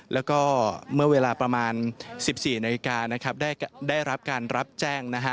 แล้วก็เมื่อเวลาประมาณ๑๔นาฬิกานะครับได้รับการรับแจ้งนะฮะ